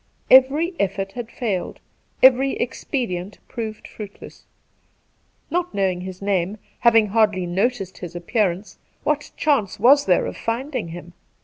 Every effort had failed, every expedient proved fruitless. Not knowing his name, having hardly noticed his appearance, what chance was there of finding him